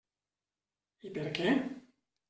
I per què?